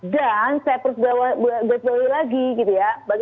dan saya persedari lagi gitu ya